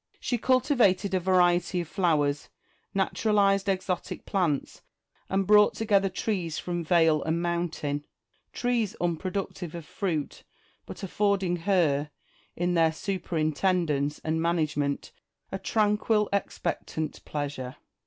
She cultivated a variety of flowers, naturalised exotic plants, and brought together trees from vale and mountain : trees unproductive of fruit, but affording her, in their superintendence and management, a tranquil expectant pleasure.